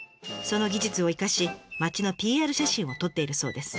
その技術を生かし町のＰＲ写真を撮っているそうです。